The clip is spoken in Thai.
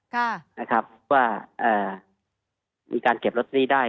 ค่ะนะครับว่าเอ่อมีการเก็บลอตเตอรี่ได้